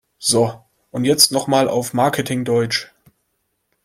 So, und jetzt noch mal auf Marketing-Deutsch!